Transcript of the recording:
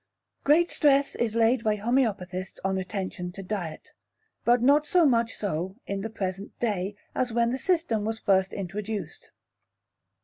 Great stress is laid by homeopathists on attention to diet, but not so much so in the present day as when the system was first introduced.